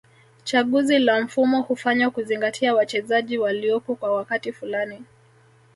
Chaguzi la mfumo hufanywa kuzingatia wachezaji waliopo kwa wakati fulani